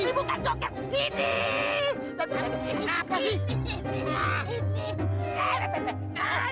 ini bukan jokat ini